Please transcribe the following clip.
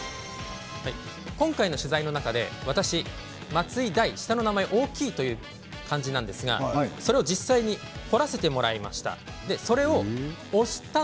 今回の取材の中で私、松井大、下の名前は大きいという漢字なんですがそれを実際に彫らせてもらいました。